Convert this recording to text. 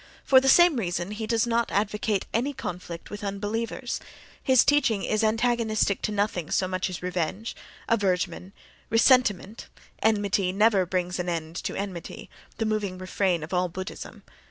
For the same reason he does not advocate any conflict with unbelievers; his teaching is antagonistic to nothing so much as to revenge, aversion, ressentiment (—"enmity never brings an end to enmity": the moving refrain of all Buddhism....)